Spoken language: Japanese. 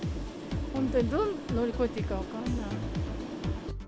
本当に、どう乗り越えていいか分かんない。